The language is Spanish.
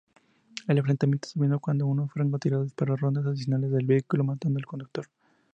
El enfrentamiento terminó cuando un francotirador disparó rondas adicionales al vehículo, matando al conductor.